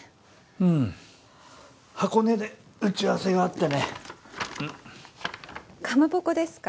うん箱根で打ち合わせがあってねんっ蒲鉾ですか？